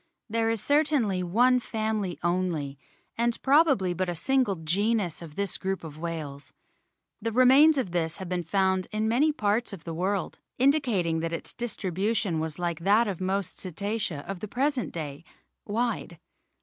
There is certainly one family only, and probably but a single genus of this group of whales. The remains of this have been found in many parts of the world, .indicating that its distribution was like that of most Cetacea of the present day, wide.